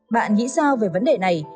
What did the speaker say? bạn nghĩ sao về vấn đề này